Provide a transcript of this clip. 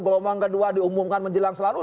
gelombang kedua diumumkan menjelang selalu